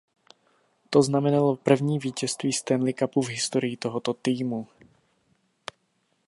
To znamenalo první vítězství Stanley Cupu v historii tohoto týmu.